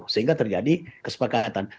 sehingga terjadi kesepakatan